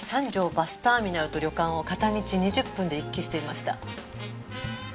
バスターミナルと旅館を片道２０分で行き来していました。